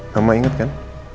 mama inget kan